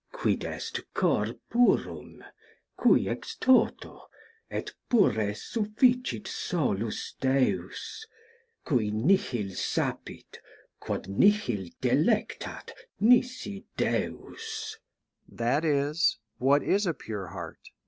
" Quid est cor purum ? cui extoto, et pure sufficit solus Deus, cui nihil sapit, quod nihil delectat, nisi Deus." That is. What is a pure heart?